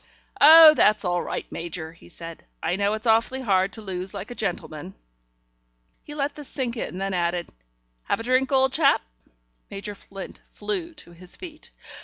"Oh, that's all right, Major," he said. "I know it's awfully hard to lose like a gentleman." He let this sink in, then added: "Have a drink, old chap?" Major Flint flew to his feet.